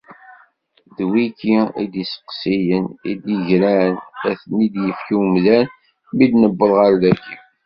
D wigi i d isteqsiyen i d-igran ad ten-id-yefk umdan mi d-newweḍ ɣer dagi.